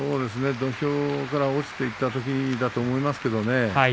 土俵から落ちていったときだと思いますけどもね